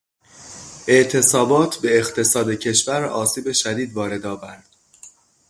اعتصابات به اقتصاد کشور آسیب شدید وارد آورد.